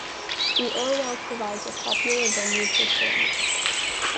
The Orwell provides a popular venue for sailing.